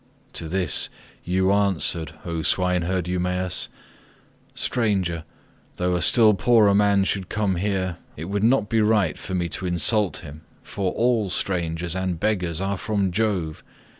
To this you answered, O swineherd Eumaeus, "Stranger, though a still poorer man should come here, it would not be right for me to insult him, for all strangers and beggars are from Jove.